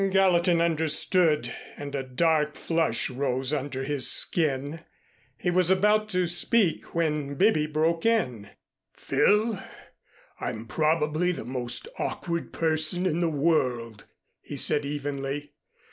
Gallatin understood, and a dark flush rose under his skin. He was about to speak when Bibby broke in. "Phil, I'm probably the most awkward person in the world," he said evenly.